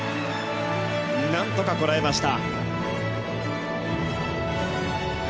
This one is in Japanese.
なんとかこらえました。